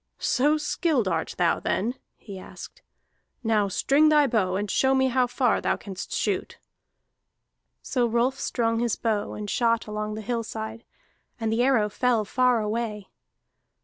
"So skilled art thou then?" he asked. "Now string thy bow, and show me how far thou canst shoot." So Rolf strung his bow, and shot along the hillside, and the arrow fell far away.